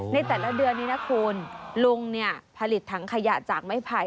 ในแต่ละเดือนนี้นะคุณลุงเนี่ยผลิตถังขยะจากไม้ไผ่